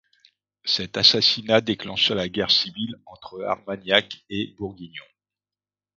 Cet assassinat déclencha la guerre civile entre Armagnacs et Bourguignons.